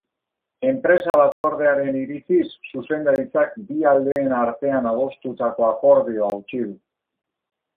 Enpresa batzordearen iritziz, zuzendaritzak bi aldeen artean adostutako akordioa hautsi du.